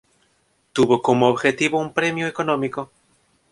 Tuvo como objetivo un premio económico.